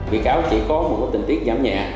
bị cáo chỉ có một tình tiết giảm nhẹ